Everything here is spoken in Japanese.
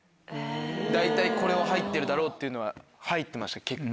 大体これは入ってるだろうっていうのは入ってました結構。